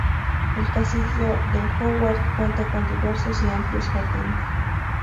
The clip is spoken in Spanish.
El castillo de Howard cuenta con diversos y amplios jardines.